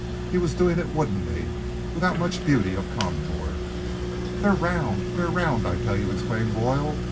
He was doing it woodenly without much beauty of contour. "They're round! They're round! I tell you!" exclaimed Boyle.